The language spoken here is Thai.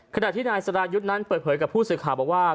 ขณะที่นายสรายุทธ์นั้นเปิดเผยกับผู้สื่อข่าวบอกว่า